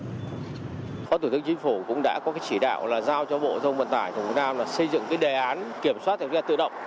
phó thủ tướng chính phủ cũng đã có cái chỉ đạo là giao cho bộ giao thông vận tải tổng cụ nam là xây dựng cái đề án kiểm soát tải trọng xe tự động